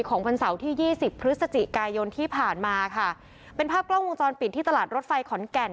วันเสาร์ที่ยี่สิบพฤศจิกายนที่ผ่านมาค่ะเป็นภาพกล้องวงจรปิดที่ตลาดรถไฟขอนแก่น